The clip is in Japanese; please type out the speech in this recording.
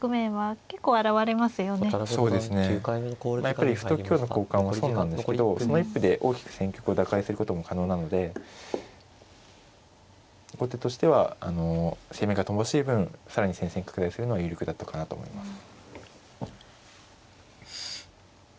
やっぱり歩と香の交換は損なんですけどその一歩で大きく戦局を打開することも可能なので後手としては攻めが乏しい分更に戦線拡大するのは有力だったかなと思います。